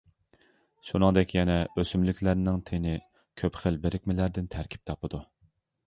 شۇنىڭدەك يەنە، ئۆسۈملۈكلەرنىڭ تىنى كۆپ خىل بىرىكمىلەردىن تەركىب تاپىدۇ.